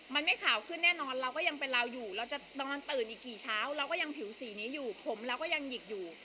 มันไม่ขาวขึ้นแน่นอนเราก็ยังเป็นเราอยู่เราจะนอนตื่นอีกกี่เช้าเราก็ยังผิวสีนี้อยู่ผมเราก็ยังหยิกอยู่